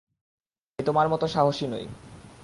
আমি তোমার মত সাহসী নই।